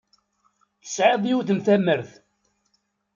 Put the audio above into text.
Tesɛiḍ yiwet n tamert.